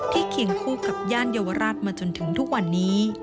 เคียงคู่กับย่านเยาวราชมาจนถึงทุกวันนี้